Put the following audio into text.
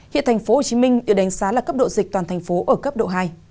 hiện tp hcm được đánh giá là cấp độ dịch toàn thành phố ở cấp độ hai